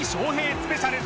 スペシャル。